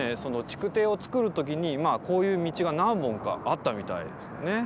築堤を造る時にこういう道が何本かあったみたいですね。